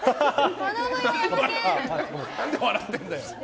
何で笑ってんだよ！